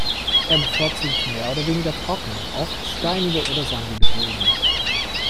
Er bevorzugt mehr oder weniger trockene, oft steinige oder sandige Böden.